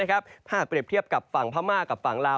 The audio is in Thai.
ถ้าเปรียบเทียบกับฝั่งพม่ากับฝั่งลาว